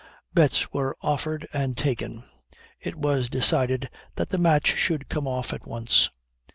Bets were offered and taken it was decided that the match should come off at once.